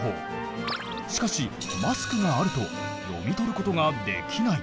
しかしマスクがあると読み取ることができない。